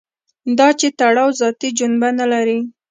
دا چې تړاو ذاتي جنبه نه لري.